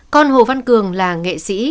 con hồ văn cường là nghệ sĩ